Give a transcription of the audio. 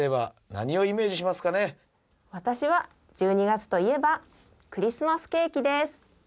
私は１２月といえばクリスマスケーキです。